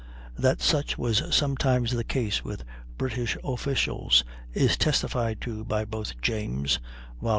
That such was sometimes the case with British officials is testified to by both James (vol.